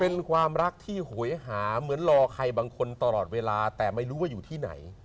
เป็นความรักที่โหยหาเหมือนรอใครบางคนตลอดเวลาแต่ไม่รู้ว่าอยู่ที่ไหน